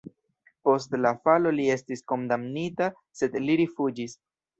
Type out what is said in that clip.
Post la falo li estis kondamnita, sed li rifuĝis.